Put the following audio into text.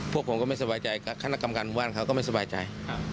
พวกผมก็ไม่สบายใจคณะกรรมการหมู่บ้านเขาก็ไม่สบายใจ